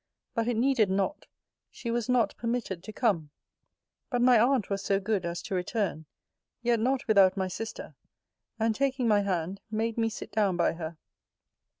But it needed not: she was not permitted to come. But my aunt was so good as to return, yet not without my sister; and, taking my hand, made me sit down by her.